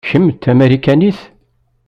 Kemm d tamarikanit?